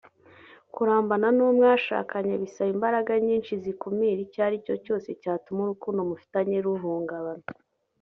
Kurambana n’uwo mwashakanye bisaba imbaraga nyinshi zikumira icyo ari cyo cyose cyatuma urukundo mufitanye ruhungabana